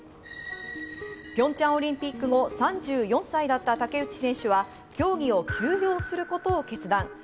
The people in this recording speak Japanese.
ピョンチャンオリンピック後、３４歳だった竹内選手は競技を休養することを決断。